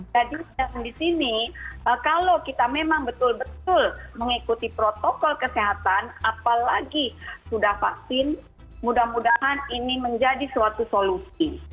jadi di sini kalau kita memang betul betul mengikuti protokol kesehatan apalagi sudah vaksin mudah mudahan ini menjadi suatu solusi